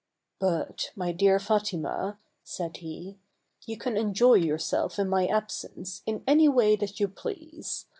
"But, my dear Fatima," said he, "you can enjoy yourself in my absence, in any way that you please.